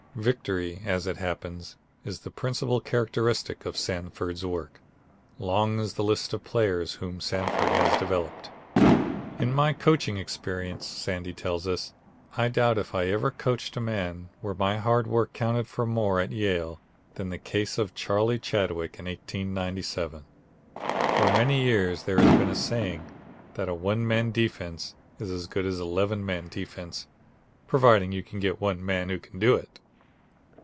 Victory, as it happens, is the principal characteristic of Sanford's work. Long is the list of players whom Sanford has developed. "In my coaching experience," Sandy tells us, "I doubt if I ever coached a man where my hard work counted for more at Yale than the case of Charlie Chadwick in 1897. For many years there has been a saying that a one man defense is as good as an eleven men defense, providing you can get one man who can do it.